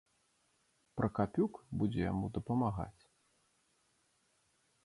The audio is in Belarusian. Пракапюк будзе яму дапамагаць.